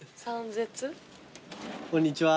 こんにちは。